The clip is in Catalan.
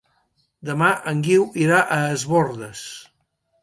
Demà en Guiu irà a Es Bòrdes.